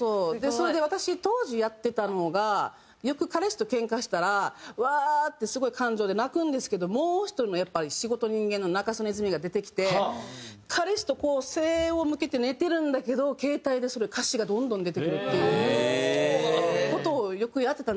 それで私当時やってたのがよく彼氏とけんかしたらワーッてすごい感情で泣くんですけどもう１人のやっぱり仕事人間の仲宗根泉が出てきて彼氏とこう背を向けて寝てるんだけど携帯でそれ歌詞がどんどん出てくるっていう事をよくやってたんですよ。